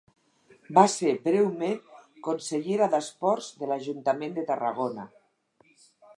Va ser breument consellera d'esports de l'Ajuntament de Tarragona.